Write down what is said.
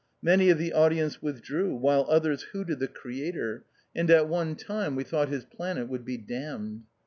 Many of the audience withdrew, while others hooted the Creator, and at one THE OUTCAST. 47 time we thought his planet would be damned.